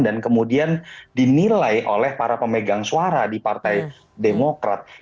dan kemudian dinilai oleh para pemegang suara di partai demokrat